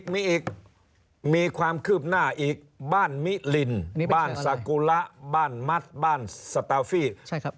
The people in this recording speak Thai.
มีอีกมีความคืบหน้าอีกบ้านมิลินบ้านสากุระบ้านมัดบ้านสตาฟี่ใช่ครับ